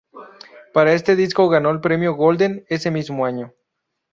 Para este disco ganó el premio Golden ese mismo año.